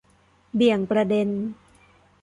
เบี่ยงประเด็น